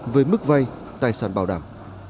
với mức vay tài sản bảo đảm